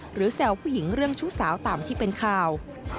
แซวผู้หญิงเรื่องชู้สาวตามที่เป็นข่าว